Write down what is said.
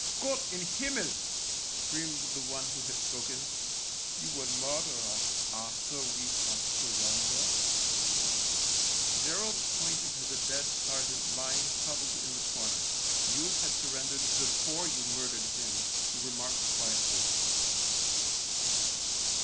" Gott in Himmel !" screamed the one 48 THE LIEUTENANT who had spoken, " you would murder us after we have surrendered ?" Gerald pointed to the dead sergeant lying huddled in the corner. '' You had surrendered before you murdered him," he remarked quietly.